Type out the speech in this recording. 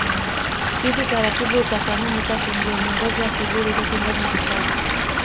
Hizi taratibu na kanuni zake ndio mwongozo wa shughuli zote ndani ya hifadhi